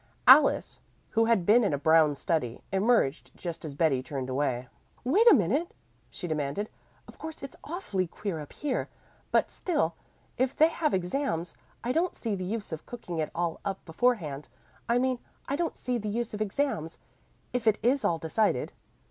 Alice, who had been in a brown study, emerged, just as Betty turned away. "Wait a minute," she commanded. "Of course it's awfully queer up here, but still, if they have exams. I don't see the use of cooking it all up beforehand. I mean I don't see the use of exams. if it is all decided."